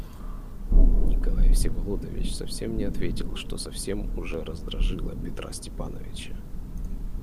Николай Всеволодович совсем не ответил, что совсем уже раздражило Петра Степановича.